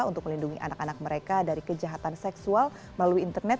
untuk melindungi anak anak mereka dari kejahatan seksual melalui internet